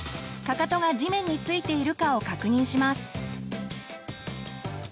かかとが地面に着いているかを確認します。